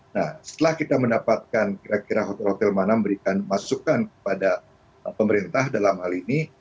nah setelah kita mendapatkan kira kira hotel hotel mana memberikan masukan kepada pemerintah dalam hal ini